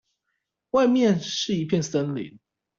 外面是一片森林